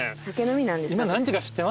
酒飲みなんです私。